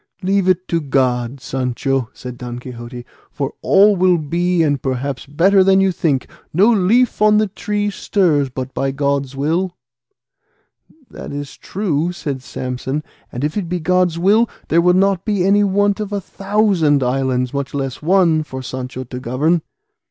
"Leave it to God, Sancho," said Don Quixote, "for all will be and perhaps better than you think; no leaf on the tree stirs but by God's will." "That is true," said Samson; "and if it be God's will, there will not be any want of a thousand islands, much less one, for Sancho to govern."